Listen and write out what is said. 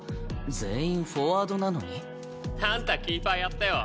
全員フォワードなのに？あんたキーパーやってよ。